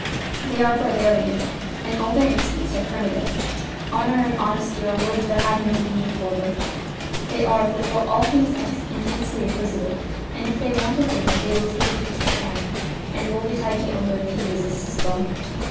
They are barbarian, and all their instincts are primitive. Honour and honesty are words that have no meaning for them; they are, before all things else, intensely acquisitive, and if they want a thing they will take it if they can, and woe betide the owner if he resists them.